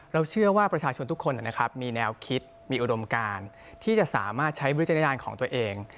เราเชื่อว่าประชาชนทุกคนมีแนวคิดมีอุดมการที่จะสามารถใช้วิจารณญาณของตัวเอง